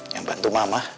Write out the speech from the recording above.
yang bantu mama